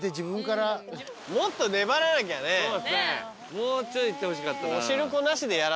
もうちょいいってほしかったな。